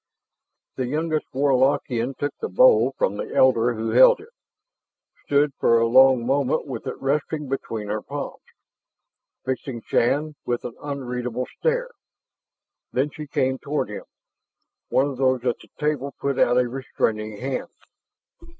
The youngest Warlockian took the bowl from the elder who held it, stood for a long moment with it resting between her palms, fixing Shann with an unreadable stare. Then she came toward him. One of those at the table put out a restraining hand.